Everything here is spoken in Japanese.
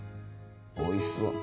おいしそう。